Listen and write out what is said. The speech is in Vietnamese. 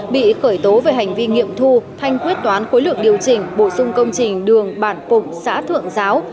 bị khởi tố về hành vi nghiệm thu thanh quyết toán khối lượng điều chỉnh bổ sung công trình đường bản phục xã thượng giáo